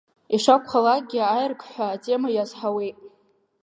Ишакәхалакгьы аиргьҳәа атема иазҳауеит.